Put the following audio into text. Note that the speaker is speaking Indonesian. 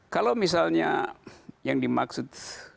kalau misalnya yang dimaksud